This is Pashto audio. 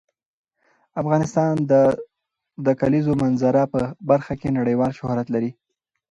افغانستان د د کلیزو منظره په برخه کې نړیوال شهرت لري.